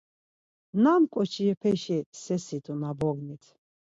Nam ǩoçepeşi sersit̆u na bognit?